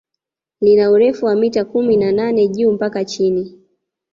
Lina urefu wa mita kumi na nane juu mpaka chini